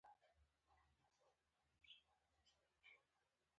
ماهویه نامردي کوي.